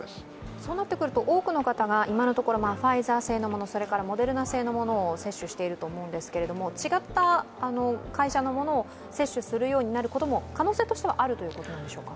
そうなってくると、多くの方が今のところファイザー製のもの、それからモデルナ製のものを接種していると思うんですけれども、違った会社のものを接種するようになることも可能性としてはあるということなんでしょうか？